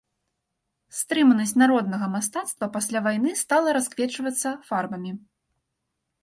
Стрыманасць народнага мастацтва пасля вайны стала расквечвацца фарбамі.